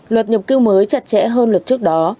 luật nhập cư mới chặt chẽ hơn luật trước đó